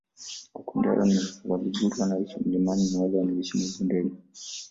Makundi hayo ni Waluguru wanaoishi milimani na wale wanaoishi mabondeni